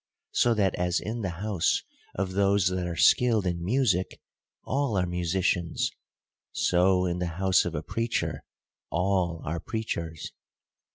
So that as in the house of those that are skilled in music, all are musicians ; so in the house of a preacher, all are preachers.